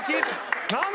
何だ？